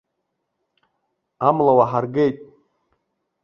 Амла уаҳаргеит!